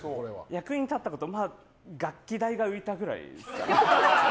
役に立ったこと楽器代が浮いたぐらい。